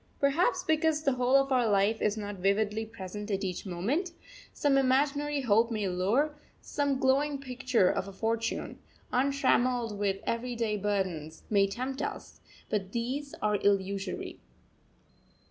Perhaps because the whole of our life is not vividly present at each moment, some imaginary hope may lure, some glowing picture of a future, untrammelled with everyday burdens, may tempt us; but these are illusory.